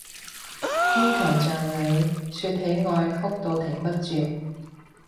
堅強像你，說起愛哭到停不住